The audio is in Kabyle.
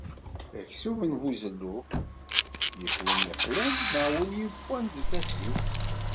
Aksum n ubuzelluf yif win iqlan neɣ win yewwan deg tasilt.